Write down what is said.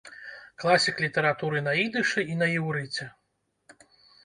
Класік літаратуры на ідышы і на іўрыце.